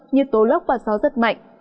như tố lóc và gió giật mạnh